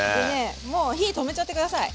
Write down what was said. もう火止めちゃって下さい。